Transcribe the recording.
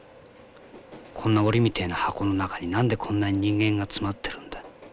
こんな檻みてえな箱の中に何でこんなに人間が詰まってるんだ。